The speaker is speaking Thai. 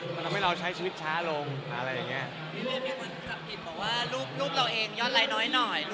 มันทำให้เราใช้ชีวิตช้าลงอะไรอย่างเงี้ย